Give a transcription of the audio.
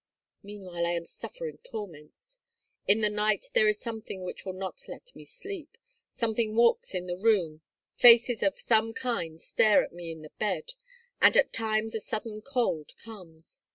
Meanwhile I am suffering torments. In the night there is something which will not let me sleep; something walks in the room, faces of some kind stare at me in the bed, and at times a sudden cold comes.